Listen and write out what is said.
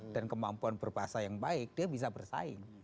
dan kemampuan berbahasa yang baik dia bisa bersaing